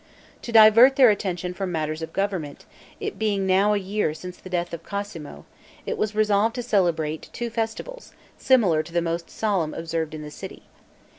To divert their attention from matters of government, it being now a year since the death of Cosmo, it was resolved to celebrate two festivals, similar to the most solemn observed in the city.